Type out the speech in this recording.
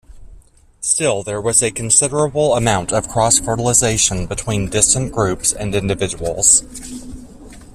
Still, there was a considerable amount of cross-fertilization between distant groups and individuals.